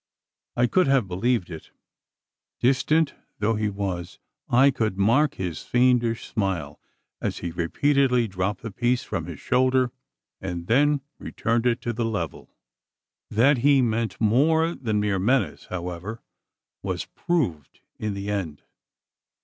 I could have believed it. Distant though he was, I could mark his fiendish smile, as he repeatedly dropped the piece from his shoulder, and then returned it to the level. That he meant more than mere menace, however, was proved in the end.